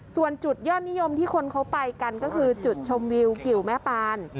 ส่วนจุดยอดนิยมที่คนเขาไปกันก็คือจุดชมวิวกิวแม่ปาน